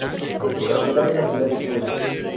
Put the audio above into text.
Su capital es la ciudad de Suez.